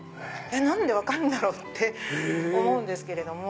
何で分かるんだろう？って思うんですけれども。